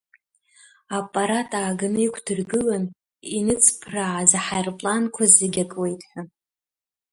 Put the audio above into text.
Аппарат ааганы иқәдыргылан, иныҵԥрааз аҳаирпланқәа зегьы акуеит ҳәа.